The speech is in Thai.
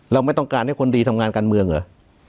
เราไม่ต้องการให้คนดีทำงานการเมืองเหรอ